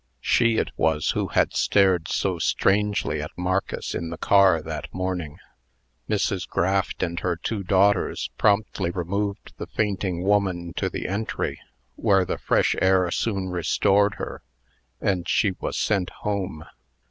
She it was who had stared so strangely at Marcus in the car that morning. Mrs. Graft and her two daughters promptly removed the fainting woman to the entry, where the fresh air soon restored her, and she was sent home.